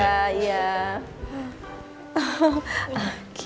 makasih pak uya